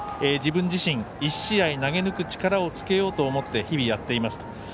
自分自身、１試合投げ抜く力をつけようと思って日々やっていますと。